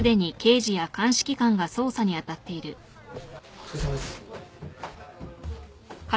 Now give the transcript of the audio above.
お疲れさまです。